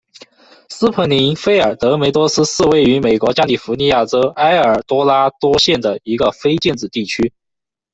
斯普林菲尔德梅多斯是位于美国加利福尼亚州埃尔多拉多县的一个非建制地区。